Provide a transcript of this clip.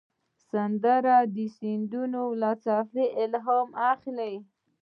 سندره د سیندونو له څپو الهام اخلي